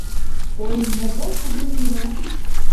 — Ой, могай кугу лийынат!